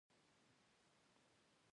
پلاره بس درنه لاړ نه شې.